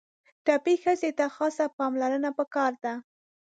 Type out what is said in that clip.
ټپي ښځې ته خاصه پاملرنه پکار ده.